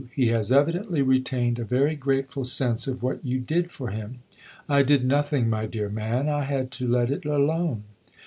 He has evidently retained a very grateful sense of what you did for him." " I did nothing, my dear man I had to let it alone."